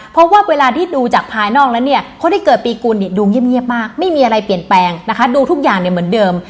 เพราะว่าเวลาที่ดูจากภายนอกแล้วเนี่ยคนที่เกิดปีกุลเนี่ยดูเงียบมากไม่มีอะไรเปลี่ยนแปลงนะคะดูทุกอย่างเนี่ยเหมือนเดิม